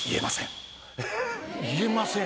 「言えません！」